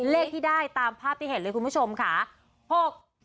เลขที่ได้ตามภาพที่เห็นเลยคุณผู้ชมค่ะ